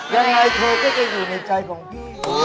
ยังไงเธอก็จะอยู่ในใจของพี่